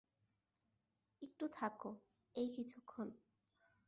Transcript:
একটু থাকো, এই কিছুক্ষণ।